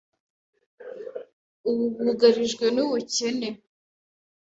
ubu bugarijwe n’ubukene.